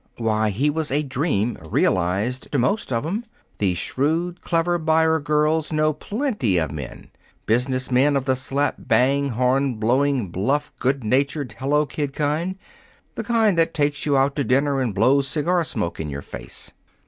Why, he was a dream realized to most of 'em. These shrewd, clever buyer girls know plenty of men business men of the slap bang, horn blowing, bluff, good natured, hello kid kind the kind that takes you out to dinner and blows cigar smoke in your face.